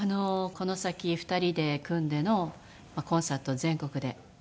この先２人で組んでのコンサート全国で行われます。